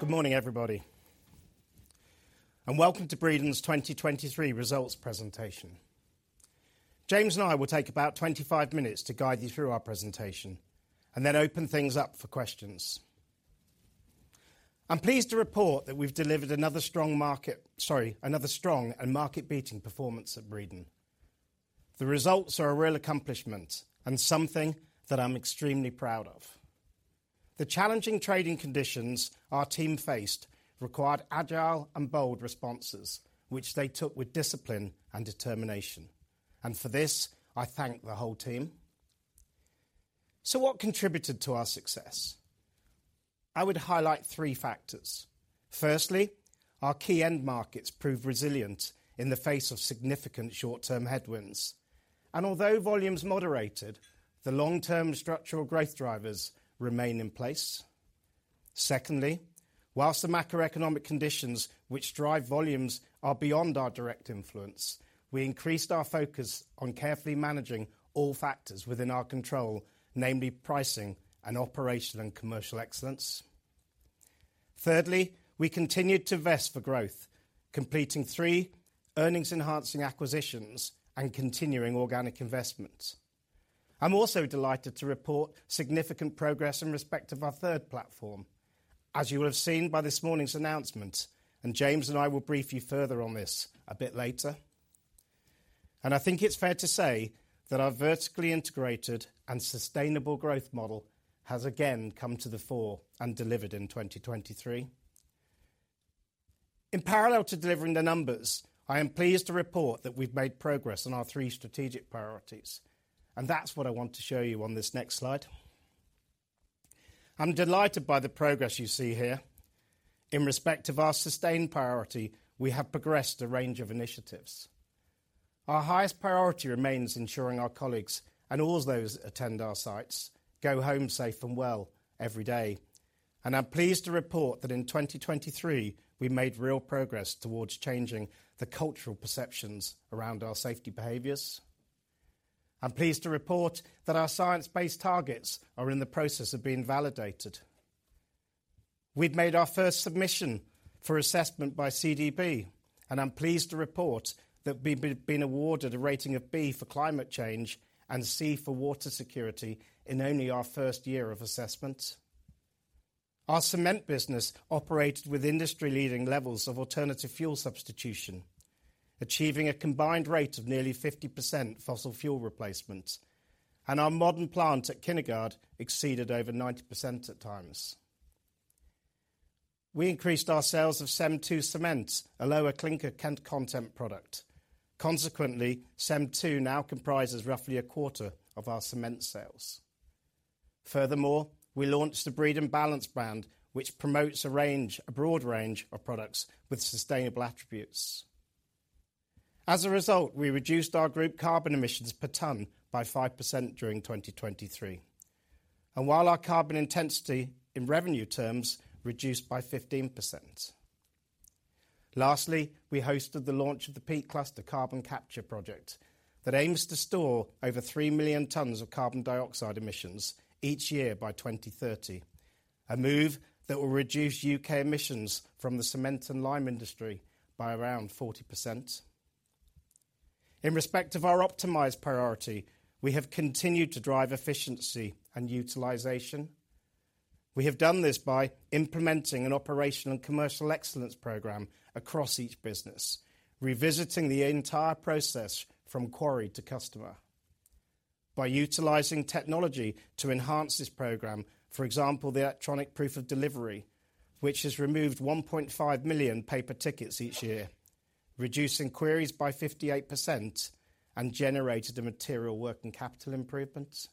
Good morning, everybody, and welcome to Breedon's 2023 Results Presentation. James and I will take about 25 minutes to guide you through our presentation and then open things up for questions. I'm pleased to report that we've delivered another strong market, sorry, another strong and market-beating performance at Breedon. The results are a real accomplishment and something that I'm extremely proud of. The challenging trading conditions our team faced required agile and bold responses, which they took with discipline and determination. And for this, I thank the whole team. So what contributed to our success? I would highlight three factors. Firstly, our key end markets proved resilient in the face of significant short-term headwinds, and although volumes moderated, the long-term structural growth drivers remain in place. Secondly, while the macroeconomic conditions which drive volumes are beyond our direct influence, we increased our focus on carefully managing all factors within our control, namely pricing and operational and commercial excellence. Thirdly, we continued to invest for growth, completing three earnings-enhancing acquisitions and continuing organic investments. I'm also delighted to report significant progress in respect of our third platform, as you will have seen by this morning's announcement, and James and I will brief you further on this a bit later. And I think it's fair to say that our vertically integrated and sustainable growth model has again come to the fore and delivered in 2023. In parallel to delivering the numbers, I am pleased to report that we've made progress on our three strategic priorities, and that's what I want to show you on this next slide. I'm delighted by the progress you see here. In respect of our sustained priority, we have progressed a range of initiatives. Our highest priority remains ensuring our colleagues and all those who attend our sites go home safe and well every day, and I'm pleased to report that in 2023, we made real progress towards changing the cultural perceptions around our safety behaviors. I'm pleased to report that our science-based targets are in the process of being validated. We've made our first submission for assessment by CDP, and I'm pleased to report that we've been awarded a rating of B for climate change and C for water security in only our first year of assessment. Our cement business operated with industry-leading levels of alternative fuel substitution, achieving a combined rate of nearly 50% fossil fuel replacement, and our modern plant at Kinnegad exceeded over 90% at times. We increased our sales of CEM II cement, a lower clinker content product. Consequently, CEM II now comprises roughly a quarter of our cement sales. Furthermore, we launched the Breedon Balance brand, which promotes a range, a broad range, of products with sustainable attributes. As a result, we reduced our group carbon emissions per tonne by 5% during 2023, and while our carbon intensity in revenue terms reduced by 15%. Lastly, we hosted the launch of the Peak Cluster carbon capture project that aims to store over 3 million tons of carbon dioxide emissions each year by 2030, a move that will reduce UK emissions from the cement and lime industry by around 40%. In respect of our optimized priority, we have continued to drive efficiency and utilization. We have done this by implementing an operational and commercial excellence program across each business, revisiting the entire process from quarry to customer. By utilizing technology to enhance this program, for example, the electronic proof of delivery, which has removed 1.5 million paper tickets each year, reducing queries by 58% and generated a material working capital improvement.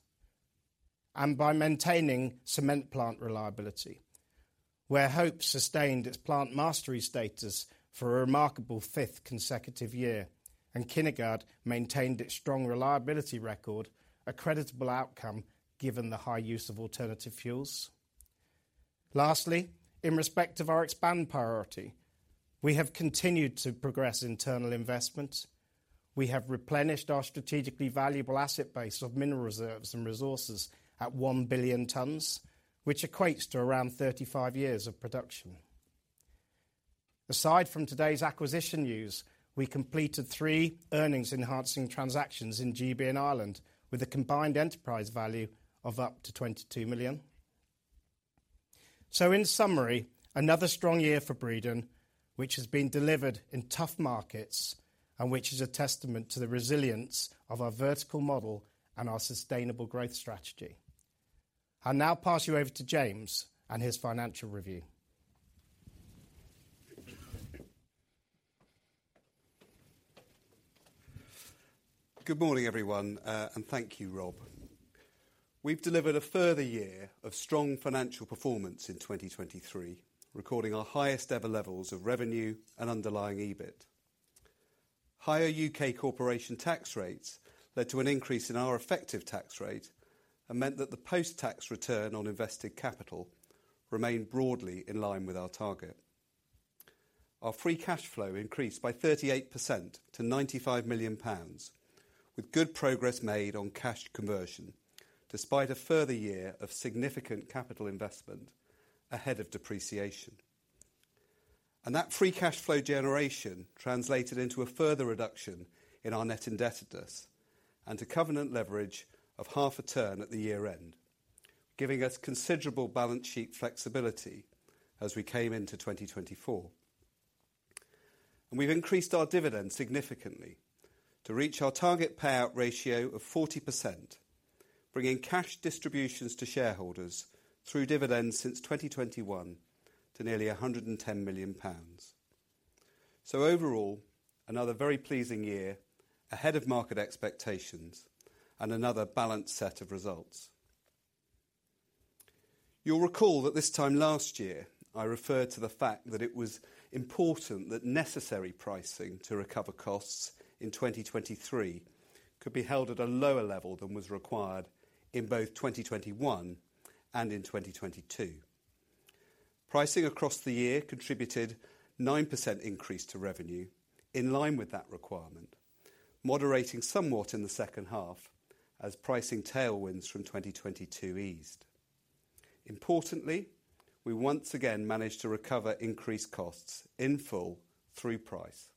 By maintaining cement plant reliability, where Hope sustained its Plant Mastery status for a remarkable fifth consecutive year and Kinnegad maintained its strong reliability record, a creditable outcome given the high use of alternative fuels. Lastly, in respect of our expand priority, we have continued to progress internal investment. We have replenished our strategically valuable asset base of mineral reserves and resources at 1 billion tons, which equates to around 35 years of production. Aside from today's acquisition news, we completed three earnings-enhancing transactions in GB and Ireland with a combined enterprise value of up to 22 million. So in summary, another strong year for Breedon, which has been delivered in tough markets and which is a testament to the resilience of our vertical model and our sustainable growth strategy. I'll now pass you over to James and his financial review. Good morning, everyone, and thank you, Rob. We've delivered a further year of strong financial performance in 2023, recording our highest-ever levels of revenue and underlying EBIT. Higher UK corporation tax rates led to an increase in our effective tax rate and meant that the post-tax return on invested capital remained broadly in line with our target. Our free cash flow increased by 38% to 95 million pounds, with good progress made on cash conversion despite a further year of significant capital investment ahead of depreciation. That free cash flow generation translated into a further reduction in our net indebtedness and a covenant leverage of half a turn at the year-end, giving us considerable balance sheet flexibility as we came into 2024. We've increased our dividend significantly to reach our target payout ratio of 40%, bringing cash distributions to shareholders through dividends since 2021 to nearly 110 million pounds. So overall, another very pleasing year ahead of market expectations and another balanced set of results. You'll recall that this time last year, I referred to the fact that it was important that necessary pricing to recover costs in 2023 could be held at a lower level than was required in both 2021 and in 2022. Pricing across the year contributed a 9% increase to revenue in line with that requirement, moderating somewhat in the second half as pricing tailwinds from 2022 eased. Importantly, we once again managed to recover increased costs in full through price,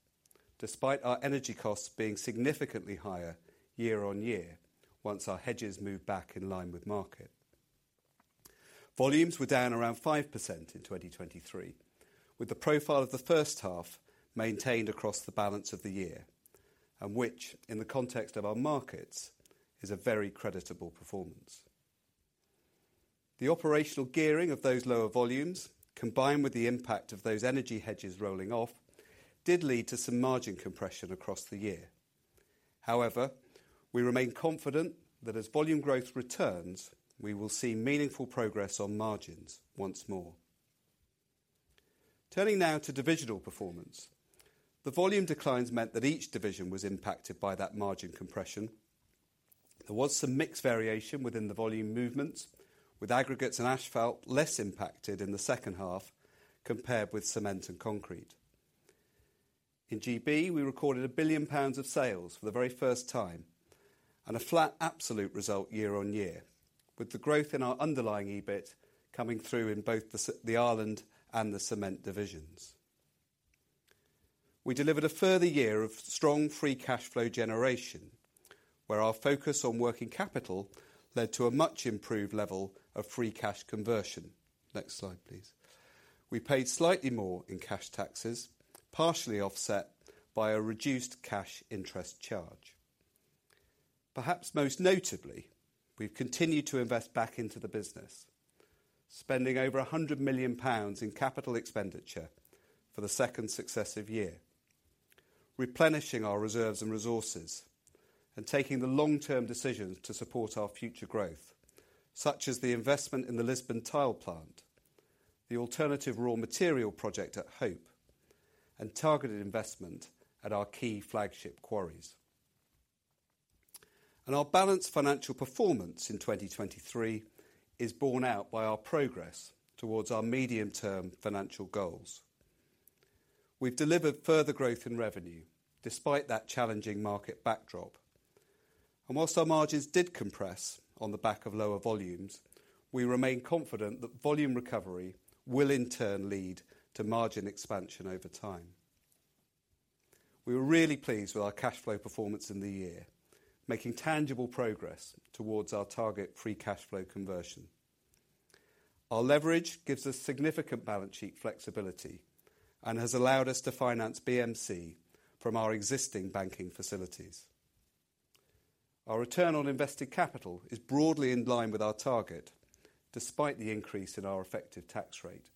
despite our energy costs being significantly higher year on year once our hedges moved back in line with market. Volumes were down around 5% in 2023, with the profile of the first half maintained across the balance of the year and which, in the context of our markets, is a very creditable performance. The operational gearing of those lower volumes, combined with the impact of those energy hedges rolling off, did lead to some margin compression across the year. However, we remain confident that as volume growth returns, we will see meaningful progress on margins once more. Turning now to divisional performance, the volume declines meant that each division was impacted by that margin compression. There was some mixed variation within the volume movements, with aggregates and asphalt less impacted in the second half compared with cement and concrete. In GB, we recorded 1 billion pounds of sales for the very first time and a flat absolute result year-over-year, with the growth in our underlying EBIT coming through in both the Ireland and the cement divisions. We delivered a further year of strong free cash flow generation, where our focus on working capital led to a much improved level of free cash conversion. Next slide, please. We paid slightly more in cash taxes, partially offset by a reduced cash interest charge. Perhaps most notably, we've continued to invest back into the business, spending over 100 million pounds in capital expenditure for the second successive year, replenishing our reserves and resources, and taking the long-term decisions to support our future growth, such as the investment in the Lisburn tile plant, the alternative raw material project at Hope, and targeted investment at our key flagship quarries. Our balanced financial performance in 2023 is borne out by our progress towards our medium-term financial goals. We've delivered further growth in revenue despite that challenging market backdrop, and whilst our margins did compress on the back of lower volumes, we remain confident that volume recovery will in turn lead to margin expansion over time. We were really pleased with our cash flow performance in the year, making tangible progress towards our target free cash flow conversion. Our leverage gives us significant balance sheet flexibility and has allowed us to finance BMC from our existing banking facilities. Our return on invested capital is broadly in line with our target despite the increase in our effective tax rate,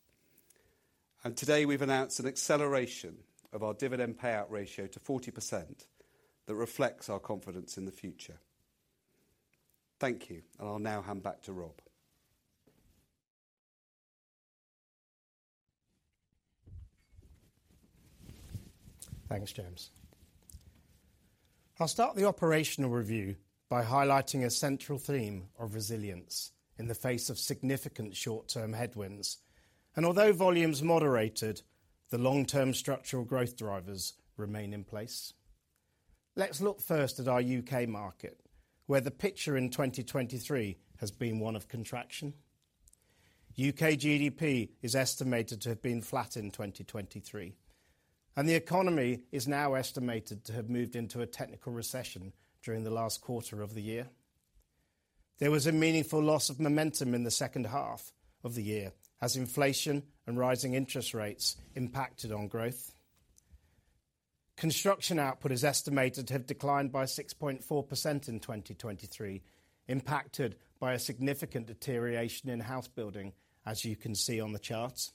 and today we've announced an acceleration of our dividend payout ratio to 40% that reflects our confidence in the future. Thank you, and I'll now hand back to Rob. Thanks, James. I'll start the operational review by highlighting a central theme of resilience in the face of significant short-term headwinds, and although volumes moderated, the long-term structural growth drivers remain in place. Let's look first at our UK market, where the picture in 2023 has been one of contraction. UK GDP is estimated to have been flat in 2023, and the economy is now estimated to have moved into a technical recession during the last quarter of the year. There was a meaningful loss of momentum in the second half of the year as inflation and rising interest rates impacted on growth. Construction output is estimated to have declined by 6.4% in 2023, impacted by a significant deterioration in house building, as you can see on the charts.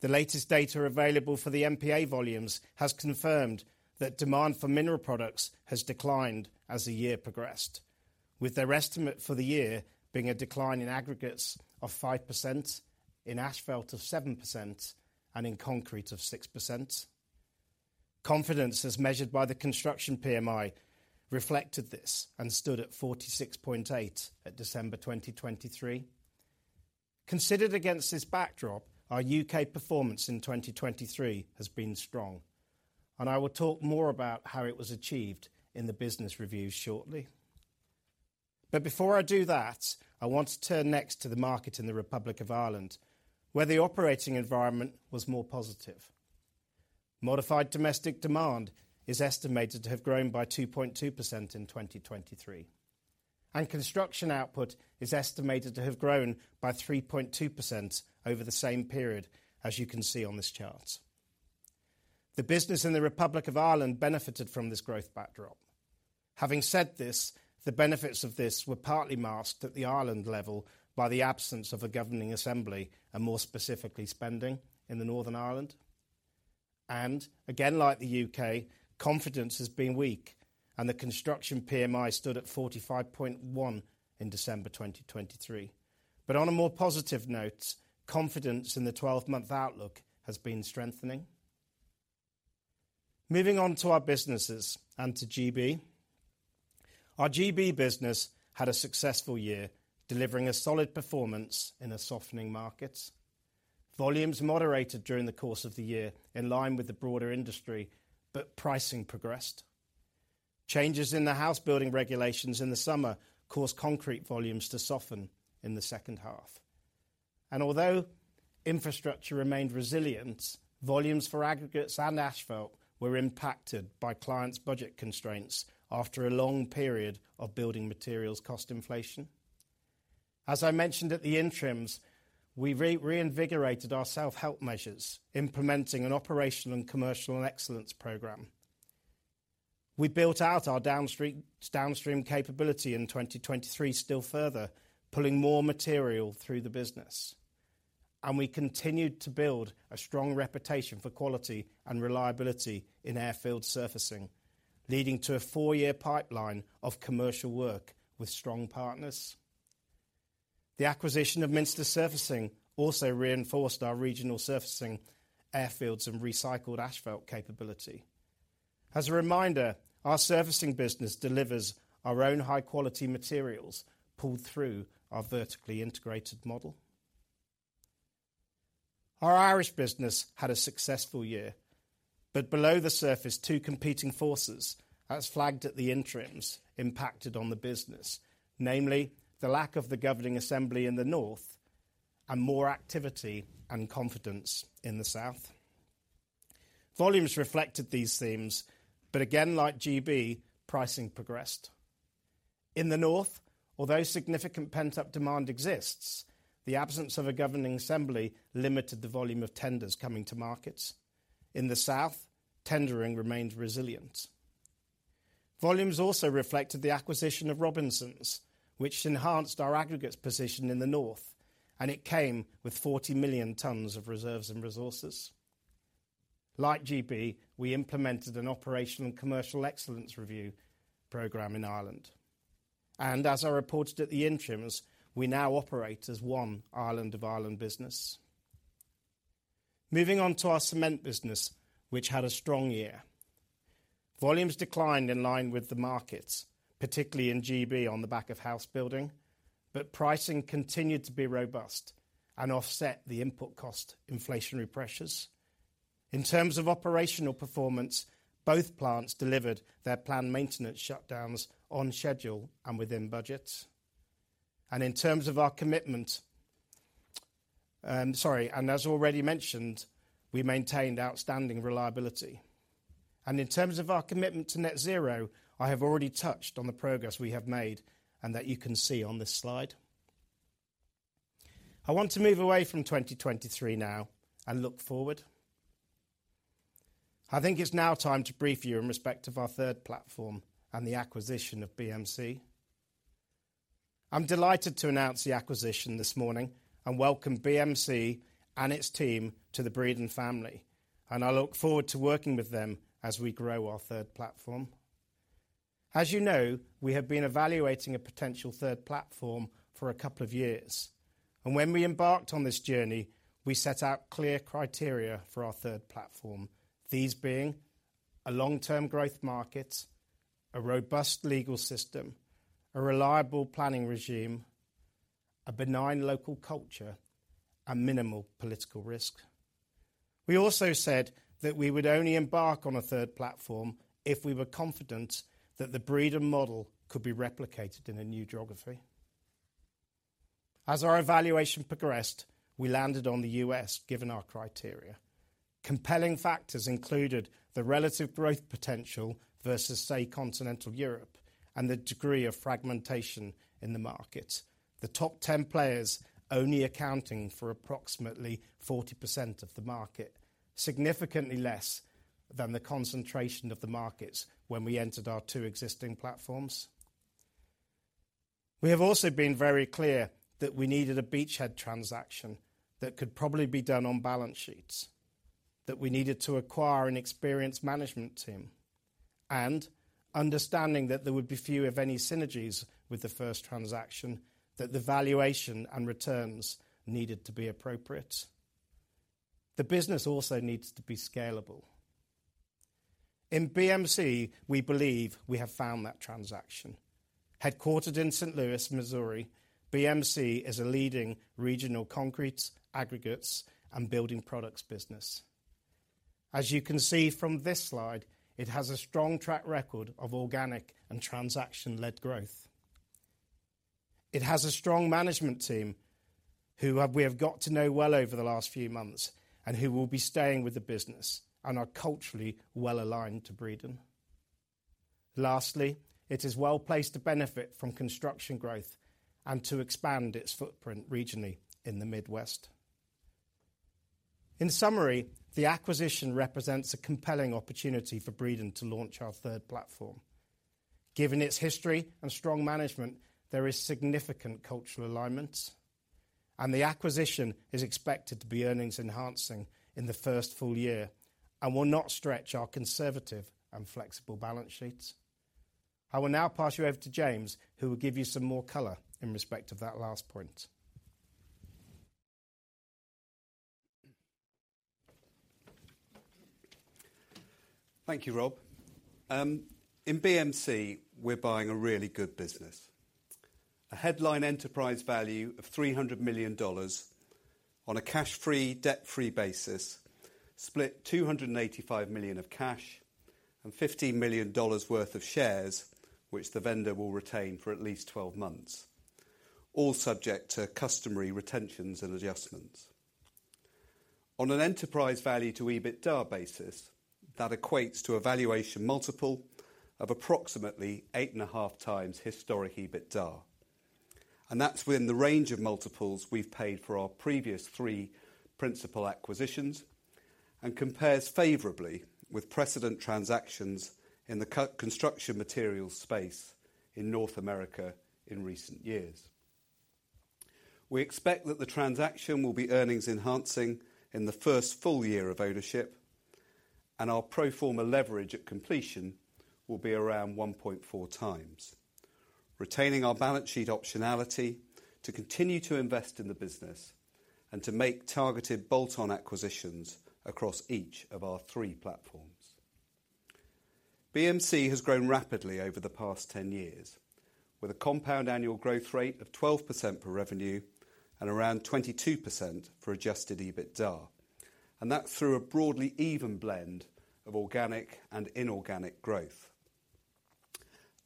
The latest data available for the MPA volumes has confirmed that demand for mineral products has declined as the year progressed, with their estimate for the year being a decline in aggregates of 5%, in asphalt of 7%, and in concrete of 6%. Confidence, as measured by the construction PMI, reflected this and stood at 46.8% at December 2023. Considered against this backdrop, our UK performance in 2023 has been strong, and I will talk more about how it was achieved in the business review shortly. But before I do that, I want to turn next to the market in the Republic of Ireland, where the operating environment was more positive. Modified domestic demand is estimated to have grown by 2.2% in 2023, and construction output is estimated to have grown by 3.2% over the same period, as you can see on this chart. The business in the Republic of Ireland benefited from this growth backdrop. Having said this, the benefits of this were partly masked at the Ireland level by the absence of a governing assembly and more specifically spending in the Northern Ireland. Again, like the UK, confidence has been weak, and the construction PMI stood at 45.1% in December 2023. On a more positive note, confidence in the 12-month outlook has been strengthening. Moving on to our businesses and to GB. Our GB business had a successful year, delivering a solid performance in a softening market. Volumes moderated during the course of the year in line with the broader industry, but pricing progressed. Changes in the house building regulations in the summer caused concrete volumes to soften in the second half. Although infrastructure remained resilient, volumes for aggregates and asphalt were impacted by clients' budget constraints after a long period of building materials cost inflation. As I mentioned at the interims, we reinvigorated our self-help measures, implementing an operational and commercial excellence program. We built out our downstream capability in 2023 still further, pulling more material through the business. We continued to build a strong reputation for quality and reliability in airfield surfacing, leading to a four-year pipeline of commercial work with strong partners. The acquisition of Minster Surfacing also reinforced our regional surfacing airfields and recycled asphalt capability. As a reminder, our surfacing business delivers our own high-quality materials pulled through our vertically integrated model. Our Irish business had a successful year, but below the surface, two competing forces, as flagged at the interims, impacted on the business, namely the lack of the governing assembly in the north and more activity and confidence in the south. Volumes reflected these themes, but again, like GB, pricing progressed. In the north, although significant pent-up demand exists, the absence of a governing assembly limited the volume of tenders coming to markets. In the south, tendering remained resilient. Volumes also reflected the acquisition of Robinsons, which enhanced our aggregates' position in the north, and it came with 40 million tons of reserves and resources. Like GB, we implemented an operational and commercial excellence review program in Ireland. And as I reported at the interims, we now operate as one Island of Ireland business. Moving on to our cement business, which had a strong year. Volumes declined in line with the markets, particularly in GB on the back of house building, but pricing continued to be robust and offset the input cost inflationary pressures. In terms of operational performance, both plants delivered their planned maintenance shutdowns on schedule and within budget. And in terms of our commitment, sorry, and as already mentioned, we maintained outstanding reliability. In terms of our commitment to Net Zero, I have already touched on the progress we have made and that you can see on this slide. I want to move away from 2023 now and look forward. I think it's now time to brief you in respect of our third platform and the acquisition of BMC. I'm delighted to announce the acquisition this morning and welcome BMC and its team to the Breedon family, and I look forward to working with them as we grow our third platform. As you know, we have been evaluating a potential third platform for a couple of years. When we embarked on this journey, we set out clear criteria for our third platform, these being a long-term growth market, a robust legal system, a reliable planning regime, a benign local culture, and minimal political risk. We also said that we would only embark on a third platform if we were confident that the Breedon model could be replicated in a new geography. As our evaluation progressed, we landed on the US given our criteria. Compelling factors included the relative growth potential versus, say, Continental Europe and the degree of fragmentation in the market, the top 10 players only accounting for approximately 40% of the market, significantly less than the concentration of the markets when we entered our two existing platforms. We have also been very clear that we needed a beachhead transaction that could probably be done on balance sheets, that we needed to acquire an experienced management team, and understanding that there would be few, if any, synergies with the first transaction, that the valuation and returns needed to be appropriate. The business also needs to be scalable. In BMC, we believe we have found that transaction. Headquartered in St. Louis, Missouri, BMC is a leading regional concrete, aggregates, and building products business. As you can see from this slide, it has a strong track record of organic and transaction-led growth. It has a strong management team who we have got to know well over the last few months and who will be staying with the business and are culturally well aligned to Breedon. Lastly, it is well placed to benefit from construction growth and to expand its footprint regionally in the Midwest. In summary, the acquisition represents a compelling opportunity for Breedon to launch our third platform. Given its history and strong management, there is significant cultural alignment, and the acquisition is expected to be earnings-enhancing in the first full year and will not stretch our conservative and flexible balance sheets. I will now pass you over to James, who will give you some more color in respect of that last point. Thank you, Rob. In BMC, we're buying a really good business. A headline enterprise value of $300 million on a cash-free, debt-free basis, split $285 million of cash and $15 million worth of shares, which the vendor will retain for at least 12 months, all subject to customary retentions and adjustments. On an enterprise value-to-EBITDA basis, that equates to a valuation multiple of approximately 8.5x historic EBITDA. That's within the range of multiples we've paid for our previous three principal acquisitions and compares favorably with precedent transactions in the construction materials space in North America in recent years. We expect that the transaction will be earnings-enhancing in the first full year of ownership, and our pro forma leverage at completion will be around 1.4x, retaining our balance sheet optionality to continue to invest in the business and to make targeted bolt-on acquisitions across each of our three platforms. BMC has grown rapidly over the past 10 years, with a compound annual growth rate of 12% per revenue and around 22% for adjusted EBITDA, and that's through a broadly even blend of organic and inorganic growth.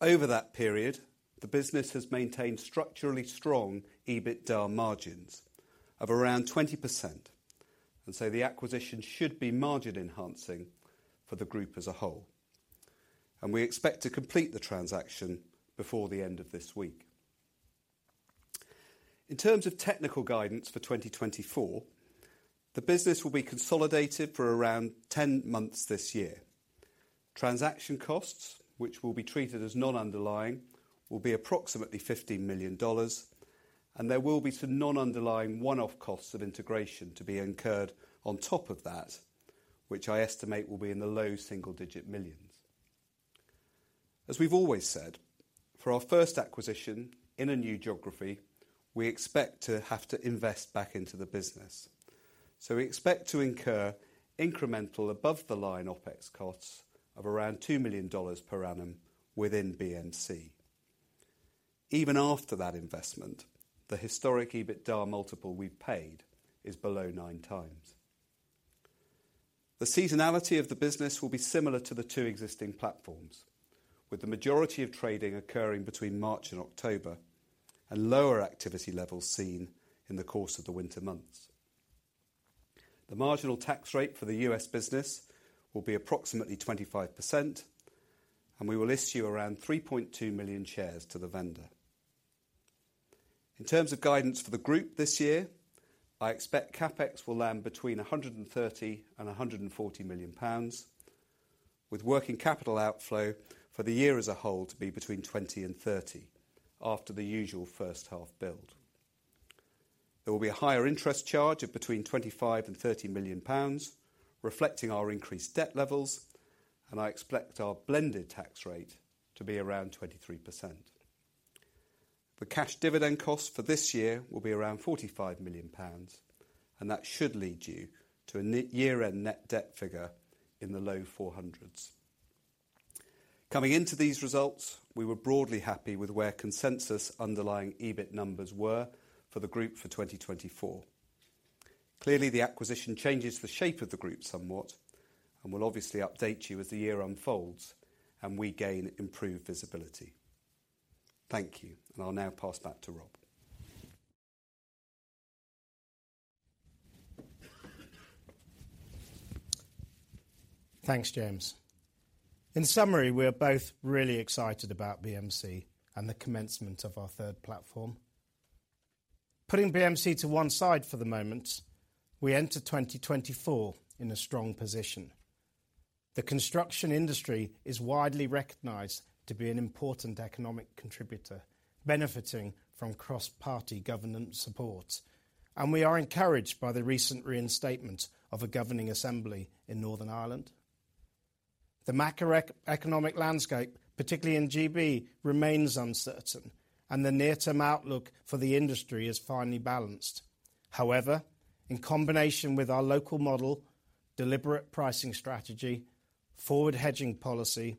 Over that period, the business has maintained structurally strong EBITDA margins of around 20%, and so the acquisition should be margin-enhancing for the group as a whole. And we expect to complete the transaction before the end of this week. In terms of technical guidance for 2024, the business will be consolidated for around 10 months this year. Transaction costs, which will be treated as non-underlying, will be approximately $15 million, and there will be some non-underlying one-off costs of integration to be incurred on top of that, which I estimate will be in the low single-digit millions. As we've always said, for our first acquisition in a new geography, we expect to have to invest back into the business. So we expect to incur incremental above-the-line OPEX costs of around $2 million per annum within BMC. Even after that investment, the historic EBITDA multiple we've paid is below 9x. The seasonality of the business will be similar to the two existing platforms, with the majority of trading occurring between March and October and lower activity levels seen in the course of the winter months. The marginal tax rate for the US business will be approximately 25%, and we will issue around 3.2 million shares to the vendor. In terms of guidance for the group this year, I expect CAPEX will land between 130 million and 140 million pounds, with working capital outflow for the year as a whole to be between 20 million and 30 million after the usual first-half build. There will be a higher interest charge of between 25 million and 30 million pounds, reflecting our increased debt levels, and I expect our blended tax rate to be around 23%. The cash dividend costs for this year will be around 45 million pounds, and that should lead you to a year-end net debt figure in the low 400s. Coming into these results, we were broadly happy with where consensus underlying EBIT numbers were for the group for 2024. Clearly, the acquisition changes the shape of the group somewhat and will obviously update you as the year unfolds and we gain improved visibility. Thank you, and I'll now pass back to Rob. Thanks, James. In summary, we are both really excited about BMC and the commencement of our third platform. Putting BMC to one side for the moment, we enter 2024 in a strong position. The construction industry is widely recognized to be an important economic contributor, benefiting from cross-party governance support, and we are encouraged by the recent reinstatement of a governing assembly in Northern Ireland. The macroeconomic landscape, particularly in GB, remains uncertain, and the near-term outlook for the industry is finely balanced. However, in combination with our local model, deliberate pricing strategy, forward hedging policy,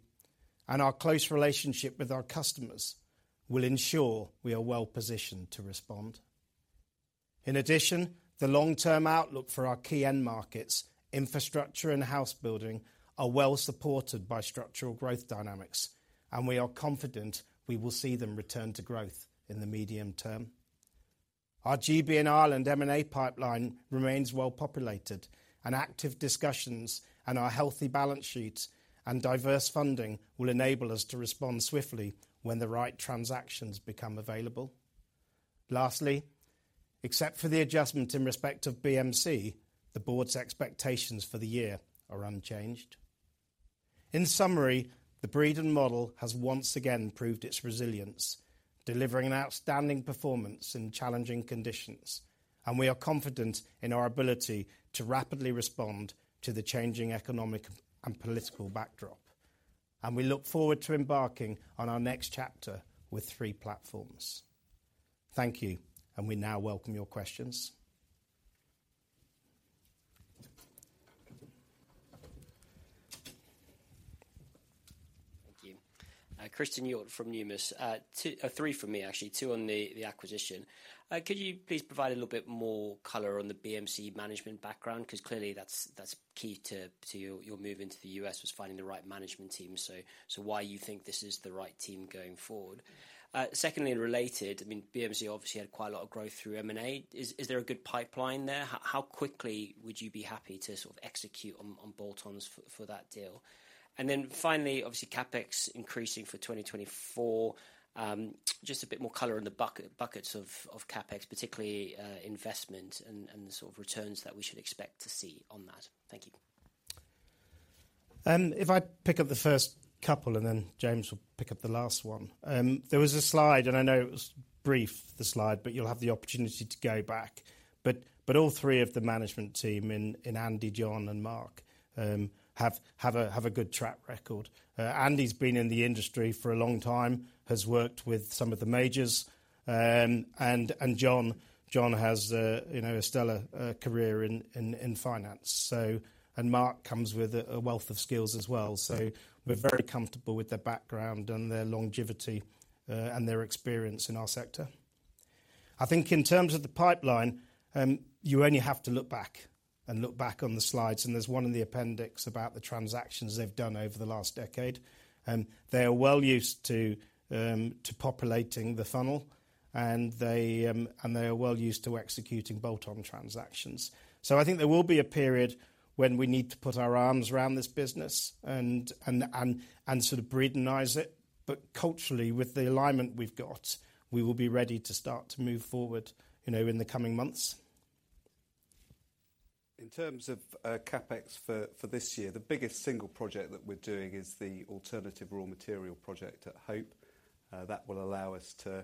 and our close relationship with our customers, we'll ensure we are well positioned to respond. In addition, the long-term outlook for our key end markets, infrastructure and house building, are well supported by structural growth dynamics, and we are confident we will see them return to growth in the medium term. Our GB and Ireland M&A pipeline remains well populated, and active discussions and our healthy balance sheets and diverse funding will enable us to respond swiftly when the right transactions become available. Lastly, except for the adjustment in respect of BMC, the Board's expectations for the year are unchanged. In summary, the Breedon model has once again proved its resilience, delivering an outstanding performance in challenging conditions, and we are confident in our ability to rapidly respond to the changing economic and political backdrop. And we look forward to embarking on our next chapter with three platforms. Thank you, and we now welcome your questions. Thank you. Christen Hjorth from Numis. Three from me, actually. Two on the acquisition. Could you please provide a little bit more color on the BMC management background? Because clearly, that's key to your move into the US was finding the right management team, so why you think this is the right team going forward. Secondly, related, I mean, BMC obviously had quite a lot of growth through M&A. Is there a good pipeline there? How quickly would you be happy to sort of execute on bolt-ons for that deal? And then finally, obviously, CAPEX increasing for 2024. Just a bit more color on the buckets of CAPEX, particularly investment and the sort of returns that we should expect to see on that. Thank you. If I pick up the first couple and then James will pick up the last one. There was a slide, and I know it was brief, the slide, but you'll have the opportunity to go back. But all three of the management team in Andy, John, and Mark have a good track record. Andy's been in the industry for a long time, has worked with some of the majors, and John has a stellar career in finance. And Mark comes with a wealth of skills as well. So we're very comfortable with their background and their longevity and their experience in our sector. I think in terms of the pipeline, you only have to look back and look back on the slides. And there's one in the appendix about the transactions they've done over the last decade. They are well used to populating the funnel, and they are well used to executing bolt-on transactions. So I think there will be a period when we need to put our arms around this business and sort of Breedonise it. But culturally, with the alignment we've got, we will be ready to start to move forward in the coming months. In terms of CAPEX for this year, the biggest single project that we're doing is the alternative raw material project at Hope. That will allow us to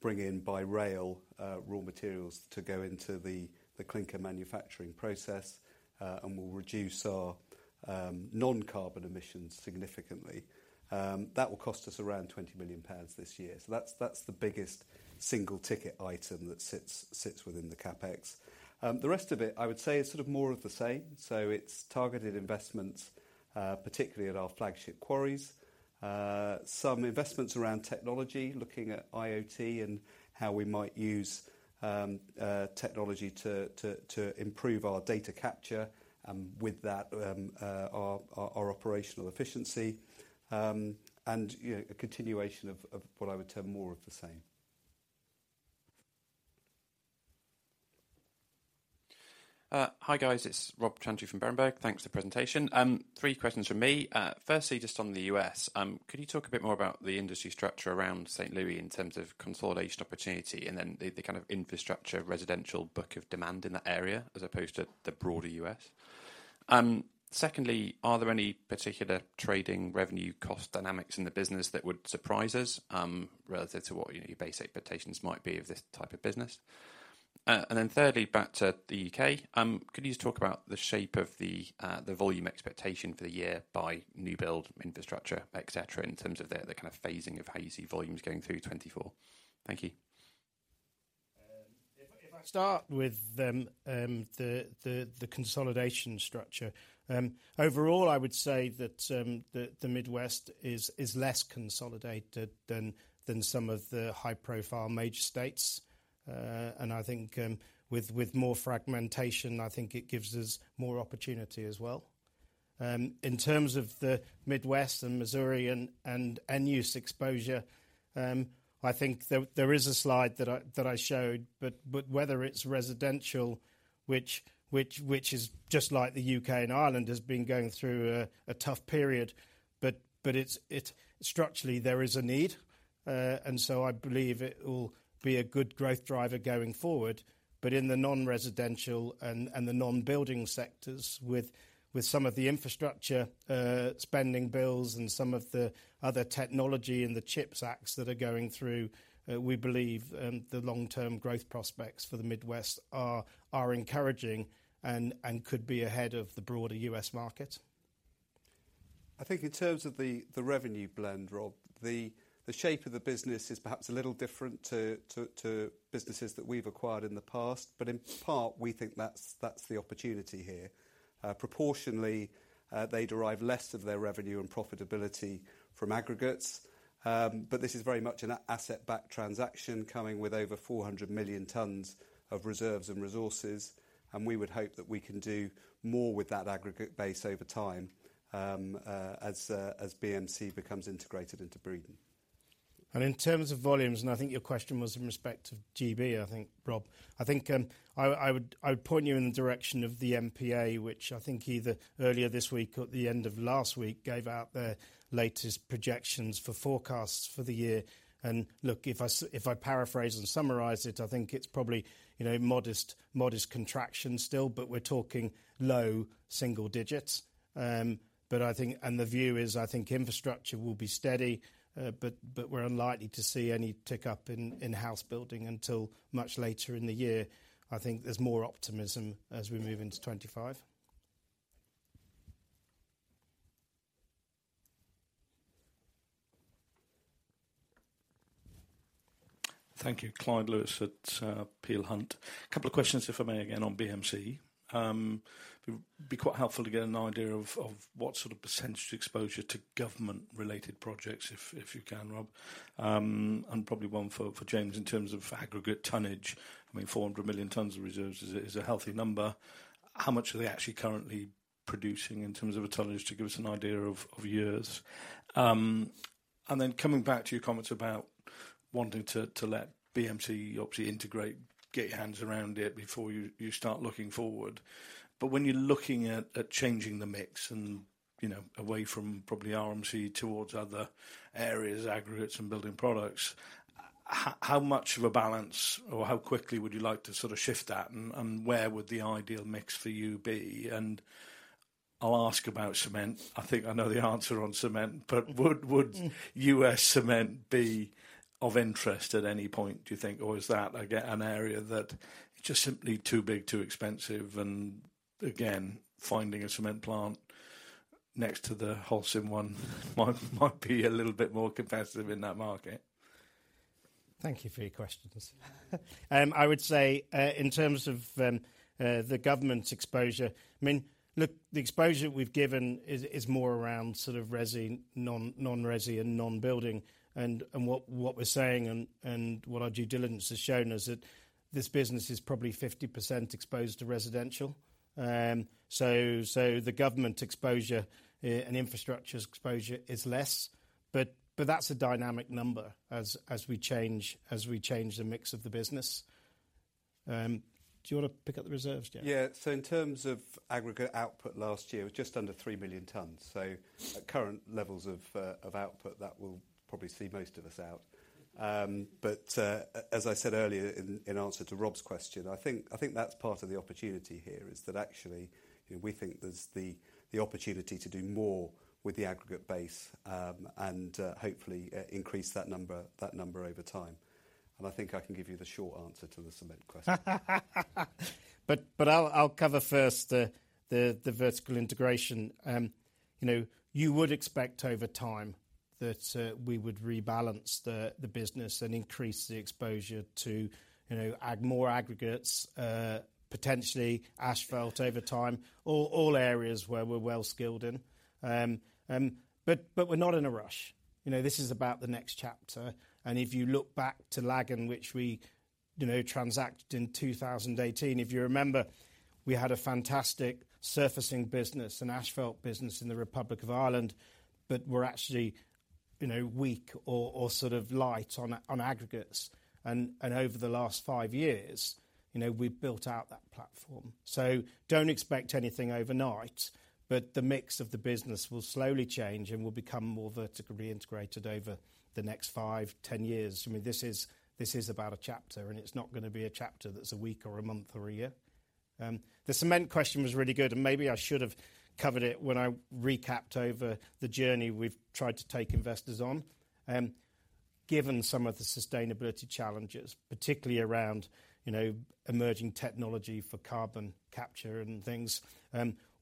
bring in by rail raw materials to go into the clinker manufacturing process, and we'll reduce our non-carbon emissions significantly. That will cost us around 20 million pounds this year. So that's the biggest single-ticket item that sits within the CAPEX. The rest of it, I would say, is sort of more of the same. So it's targeted investments, particularly at our flagship quarries. Some investments around technology, looking at IoT and how we might use technology to improve our data capture and with that our operational efficiency, and a continuation of what I would term more of the same. Hi guys, it's Rob Chantry from Berenberg. Thanks for the presentation. Three questions from me. Firstly, just on the US, could you talk a bit more about the industry structure around St. Louis in terms of consolidation opportunity and then the kind of infrastructure residential book of demand in that area as opposed to the broader US? Secondly, are there any particular trading revenue cost dynamics in the business that would surprise us relative to what your basic expectations might be of this type of business? And then thirdly, back to the UK, could you just talk about the shape of the volume expectation for the year by new build, infrastructure, etcetera, in terms of the kind of phasing of how you see volumes going through 2024? Thank you. If I start with the consolidation structure, overall, I would say that the Midwest is less consolidated than some of the high-profile major states. I think with more fragmentation, I think it gives us more opportunity as well. In terms of the Midwest and Missouri and US exposure, I think there is a slide that I showed, but whether it's residential, which is just like the UK and Ireland has been going through a tough period, but structurally, there is a need. I believe it will be a good growth driver going forward. In the non-residential and the non-building sectors, with some of the infrastructure spending bills and some of the other technology and the CHIPS acts that are going through, we believe the long-term growth prospects for the Midwest are encouraging and could be ahead of the broader US market. I think in terms of the revenue blend, Rob, the shape of the business is perhaps a little different to businesses that we've acquired in the past, but in part, we think that's the opportunity here. Proportionally, they derive less of their revenue and profitability from aggregates. But this is very much an asset-backed transaction coming with over 400 million tons of reserves and resources. And we would hope that we can do more with that aggregate base over time as BMC becomes integrated into Breedon. And in terms of volumes, and I think your question was in respect of GB, I think, Rob, I think I would point you in the direction of the MPA, which I think either earlier this week or at the end of last week gave out their latest projections for forecasts for the year. And look, if I paraphrase and summarise it, I think it's probably modest contraction still, but we're talking low single digits. And the view is I think infrastructure will be steady, but we're unlikely to see any tick-up in house building until much later in the year. I think there's more optimism as we move into 2025. Thank you, Clyde Lewis at Peel Hunt. A couple of questions, if I may, again on BMC. It'd be quite helpful to get an idea of what sort of percentage exposure to government-related projects if you can, Rob. And probably one for James in terms of aggregate tonnage. I mean, 400 million tons of reserves is a healthy number. How much are they actually currently producing in terms of a tonnage to give us an idea of years? And then coming back to your comments about wanting to let BMC obviously integrate, get your hands around it before you start looking forward. But when you're looking at changing the mix and away from probably RMC towards other areas, aggregates and building products, how much of a balance or how quickly would you like to sort of shift that, and where would the ideal mix for you be? I'll ask about cement. I know the answer on cement, but would US cement be of interest at any point, do you think? Or is that an area that it's just simply too big, too expensive? And again, finding a cement plant next to the Holcim one might be a little bit more competitive in that market. Thank you for your questions. I would say in terms of the government's exposure, I mean, look, the exposure we've given is more around sort of resi, non-resi, and non-building. And what we're saying and what our due diligence has shown is that this business is probably 50% exposed to residential. So the government exposure and infrastructure exposure is less. But that's a dynamic number as we change the mix of the business. Do you want to pick up the reserves, James? Yeah. So in terms of aggregate output last year, it was just under 3 million tons. So at current levels of output, that will probably see most of us out. But as I said earlier in answer to Rob's question, I think that's part of the opportunity here is that actually we think there's the opportunity to do more with the aggregate base and hopefully increase that number over time. And I think I can give you the short answer to the cement question. I'll cover first the vertical integration. You would expect over time that we would rebalance the business and increase the exposure to more aggregates, potentially asphalt over time, all areas where we're well skilled in. We're not in a rush. This is about the next chapter. If you look back to Lagan, which we transacted in 2018, if you remember, we had a fantastic surfacing business, an asphalt business in the Republic of Ireland, but were actually weak or sort of light on aggregates. Over the last five years, we've built out that platform. So don't expect anything overnight, but the mix of the business will slowly change and will become more vertically integrated over the next five, 10 years. I mean, this is about a chapter, and it's not going to be a chapter that's a week or a month or a year. The cement question was really good, and maybe I should have covered it when I recapped over the journey we've tried to take investors on. Given some of the sustainability challenges, particularly around emerging technology for carbon capture and things,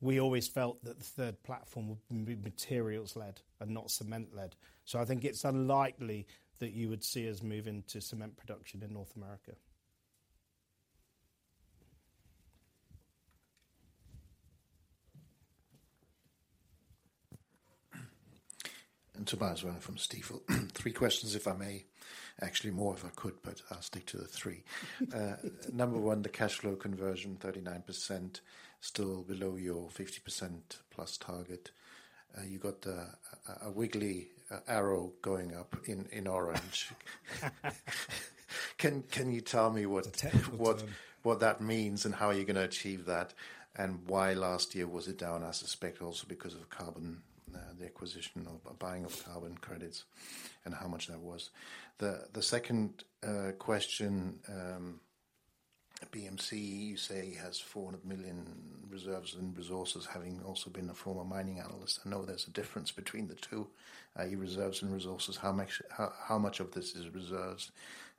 we always felt that the third platform would be materials-led and not cement-led. So I think it's unlikely that you would see us move into cement production in North America. Tobias Woerner from Stifel. Three questions, if I may. Actually, more if I could, but I'll stick to the three. Number one, the cash flow conversion, 39%, still below your 50%+ target. You've got a wiggly arrow going up in orange. Can you tell me what that means and how you're going to achieve that and why last year was it down, I suspect, also because of the acquisition or buying of carbon credits and how much that was? The second question, BMC, you say has 400 million reserves and resources having also been a former mining analyst. I know there's a difference between the two. Reserves and resources, how much of this is reserves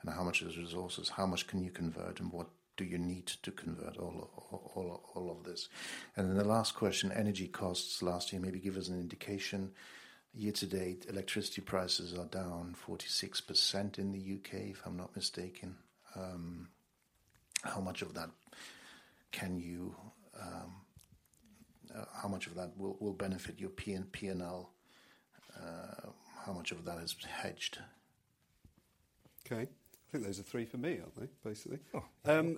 and how much is resources? How much can you convert and what do you need to convert all of this? And then the last question, energy costs last year. Maybe give us an indication. Year to date, electricity prices are down 46% in the UK, if I'm not mistaken. How much of that will benefit your P&L? How much of that is hedged? Okay. I think those are three for me, aren't they, basically?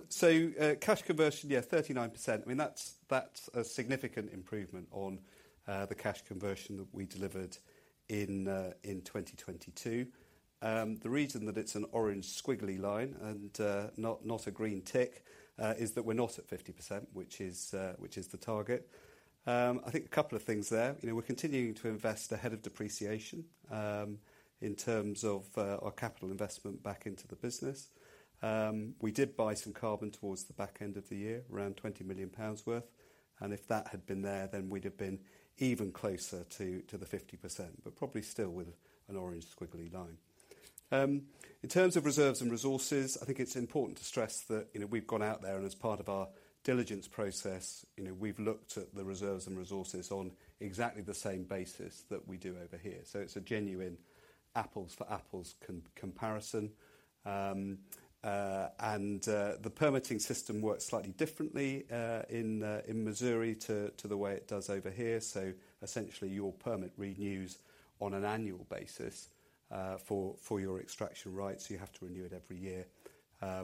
So cash conversion, yeah, 39%. I mean, that's a significant improvement on the cash conversion that we delivered in 2022. The reason that it's an orange squiggly line and not a green tick is that we're not at 50%, which is the target. I think a couple of things there. We're continuing to invest ahead of depreciation in terms of our capital investment back into the business. We did buy some carbon towards the back end of the year, around 20 million pounds worth. And if that had been there, then we'd have been even closer to the 50%, but probably still with an orange squiggly line. In terms of reserves and resources, I think it's important to stress that we've gone out there and as part of our diligence process, we've looked at the reserves and resources on exactly the same basis that we do over here. So it's a genuine apples-for-apples comparison. And the permitting system works slightly differently in Missouri to the way it does over here. So essentially, your permit renews on an annual basis for your extraction rights. You have to renew it every year,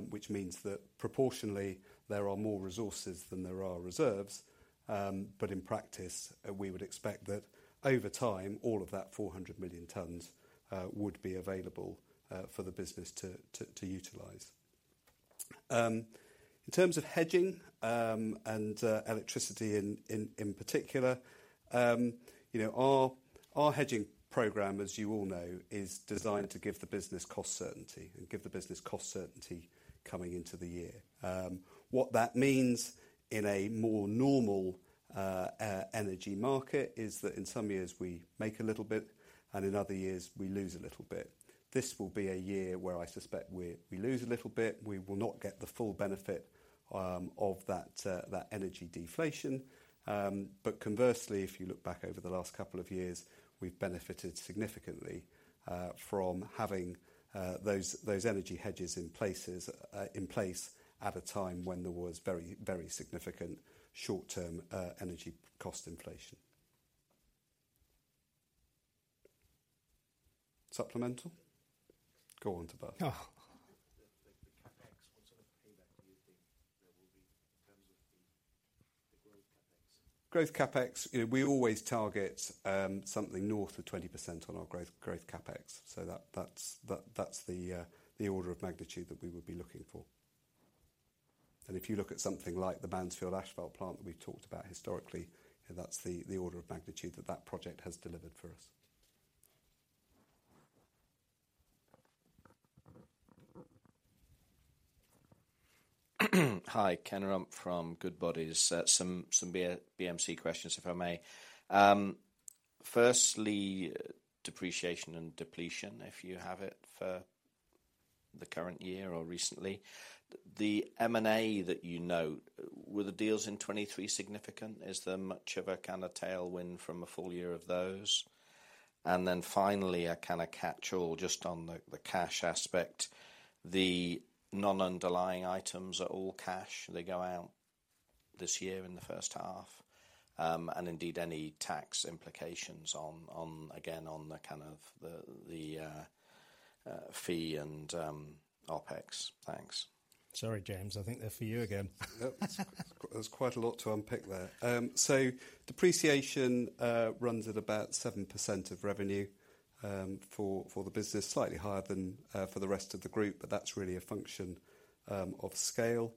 which means that proportionally, there are more resources than there are reserves. But in practice, we would expect that over time, all of that 400 million tons would be available for the business to utilize. In terms of hedging and electricity in particular, our hedging program, as you all know, is designed to give the business cost certainty and give the business cost certainty coming into the year. What that means in a more normal energy market is that in some years, we make a little bit, and in other years, we lose a little bit. This will be a year where I suspect we lose a little bit. We will not get the full benefit of that energy deflation. But conversely, if you look back over the last couple of years, we've benefited significantly from having those energy hedges in place at a time when there was very, very significant short-term energy cost inflation. Supplemental? Go on, Tobias. The CapEx, what sort of payback do you think there will be in terms of the growth CapEx? CapEx, we always target something north of 20% on our growth CapEx. So that's the order of magnitude that we would be looking for. And if you look at something like the Mansfield asphalt plant that we've talked about historically, that's the order of magnitude that that project has delivered for us. Hi, Kenneth Rumph from Goodbody. Some BMC questions, if I may. Firstly, depreciation and depletion, if you have it, for the current year or recently. The M&A that you note, were the deals in 2023 significant? Is there much of a kind of tailwind from a full year of those? And then finally, a kind of catch-all just on the cash aspect. The non-underlying items are all cash. They go out this year in the first half. And indeed, any tax implications again on the kind of the fee and OpEx? Thanks. Sorry, James. I think they're for you again. There's quite a lot to unpick there. So depreciation runs at about 7% of revenue for the business, slightly higher than for the rest of the group, but that's really a function of scale.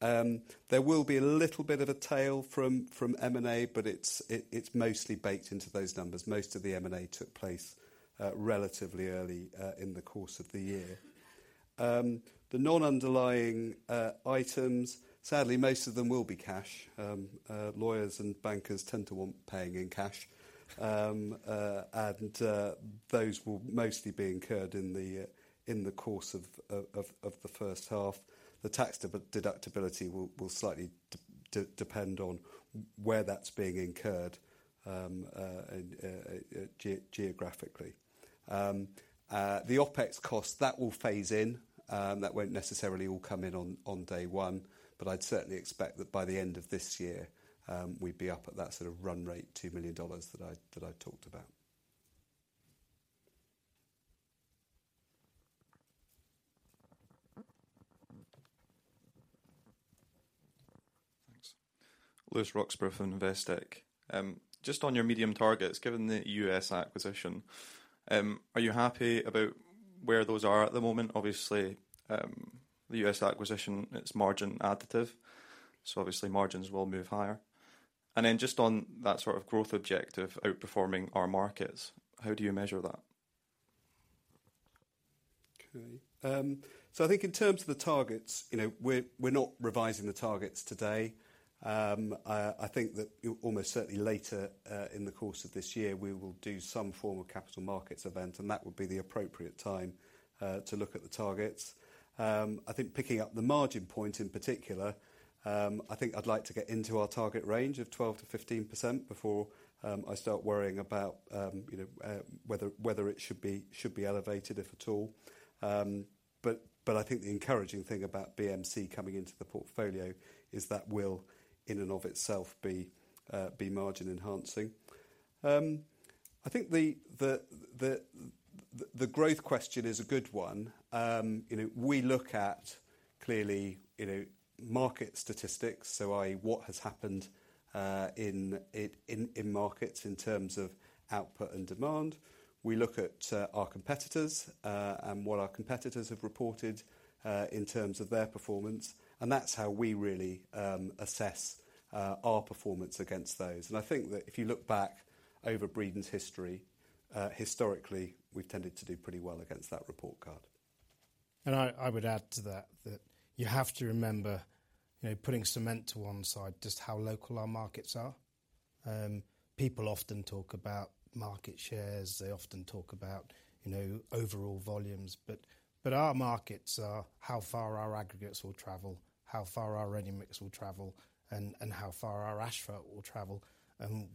There will be a little bit of a tail from M&A, but it's mostly baked into those numbers. Most of the M&A took place relatively early in the course of the year. The non-underlying items, sadly, most of them will be cash. Lawyers and bankers tend to want paying in cash. And those will mostly be incurred in the course of the first half. The tax deductibility will slightly depend on where that's being incurred geographically. The OpEx costs, that will phase in. That won't necessarily all come in on day one. I'd certainly expect that by the end of this year, we'd be up at that sort of run rate, $2 million that I talked about. Thanks. Lewis Roxburgh from Investec. Just on your medium targets, given the US acquisition, are you happy about where those are at the moment? Obviously, the US acquisition, it's margin additive. So obviously, margins will move higher. And then just on that sort of growth objective, outperforming our markets, how do you measure that? Okay. So I think in terms of the targets, we're not revising the targets today. I think that almost certainly later in the course of this year, we will do some form of capital markets event, and that would be the appropriate time to look at the targets. I think picking up the margin point in particular, I think I'd like to get into our target range of 12% to 15% before I start worrying about whether it should be elevated, if at all. But I think the encouraging thing about BMC coming into the portfolio is that will, in and of itself, be margin-enhancing. I think the growth question is a good one. We look at, clearly, market statistics, i.e., what has happened in markets in terms of output and demand. We look at our competitors and what our competitors have reported in terms of their performance. That's how we really assess our performance against those. I think that if you look back over Breedon's history, historically, we've tended to do pretty well against that report card. I would add to that that you have to remember putting cement to one side, just how local our markets are. People often talk about market shares. They often talk about overall volumes. But our markets are how far our aggregates will travel, how far our ready mix will travel, and how far our asphalt will travel.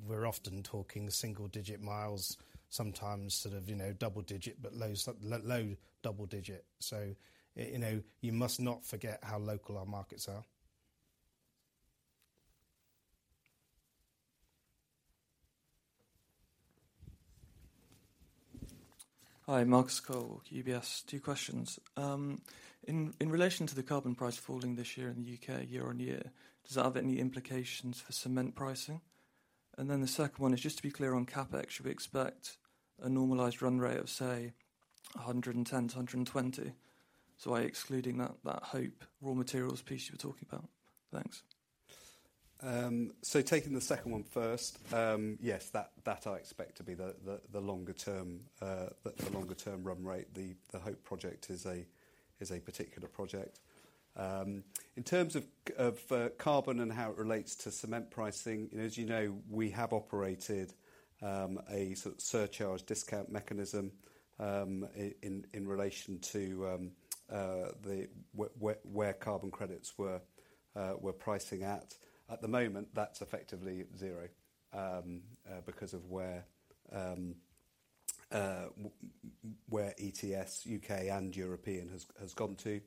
We're often talking single-digit miles, sometimes sort of double-digit, but low double-digit. So you must not forget how local our markets are. Hi, Marcus Cole, UBS. Two questions. In relation to the carbon price falling this year in the UK, year-on-year, does that have any implications for cement pricing? And then the second one is, just to be clear on CAPEX, should we expect a normalized run rate of, say, 110 to 120? So excluding that Hope, raw materials piece you were talking about. Thanks. So taking the second one first, yes, that I expect to be the longer-term run rate. The Hope project is a particular project. In terms of carbon and how it relates to cement pricing, as you know, we have operated a sort of surcharge discount mechanism in relation to where carbon credits were pricing at. At the moment, that's effectively zero because of where ETS, UK and European, has gone to.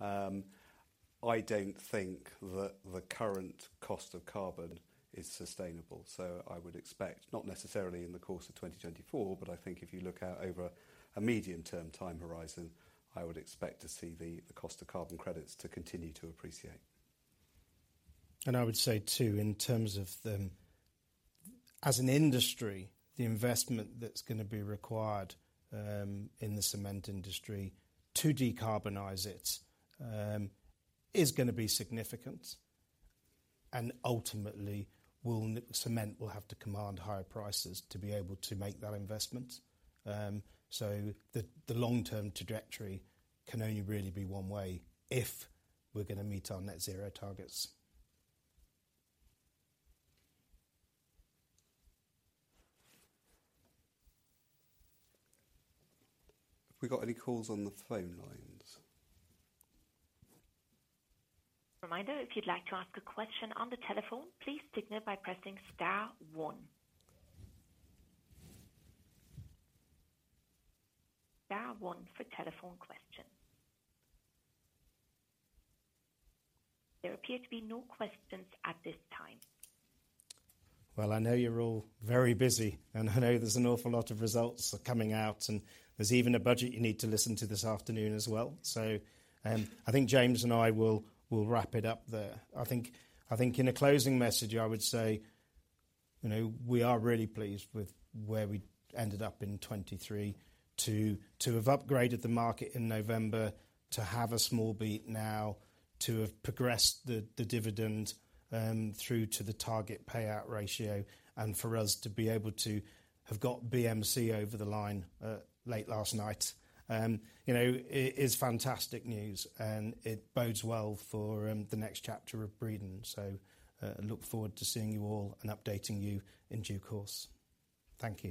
I don't think that the current cost of carbon is sustainable. So I would expect, not necessarily in the course of 2024, but I think if you look out over a medium-term time horizon, I would expect to see the cost of carbon credits to continue to appreciate. I would say too, in terms of them, as an industry, the investment that's going to be required in the cement industry to decarbonize it is going to be significant. Ultimately, cement will have to command higher prices to be able to make that investment. The long-term trajectory can only really be one way if we're going to meet our Net Zero targets. Have we got any calls on the phone lines? Reminder, if you'd like to ask a question on the telephone, please signal by pressing star one. Star one for telephone question. There appear to be no questions at this time. Well, I know you're all very busy, and I know there's an awful lot of results coming out, and there's even a budget you need to listen to this afternoon as well. So I think James and I will wrap it up there. I think in a closing message, I would say we are really pleased with where we ended up in 2023, to have upgraded the market in November, to have a small beat now, to have progressed the dividend through to the target payout ratio, and for us to be able to have got BMC over the line late last night is fantastic news, and it bodes well for the next chapter of Breedon. So look forward to seeing you all and updating you in due course. Thank you.